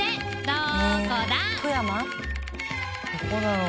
どこだろう？